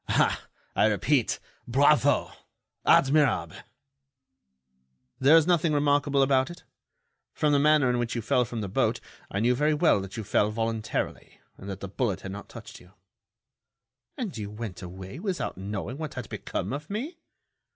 Ah! I repeat: Bravo! Admirable!" "There is nothing remarkable about it. From the manner in which you fell from the boat, I knew very well that you fell voluntarily, and that the bullet had not touched you." "And you went away without knowing what had become of me?"